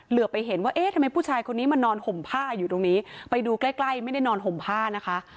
เหลือไปเห็นว่าเอ๊ะทำไมผู้ชายคนนี้มานอนห่มผ้าอยู่ตรงนี้ไปดูใกล้ใกล้ไม่ได้นอนห่มผ้านะคะ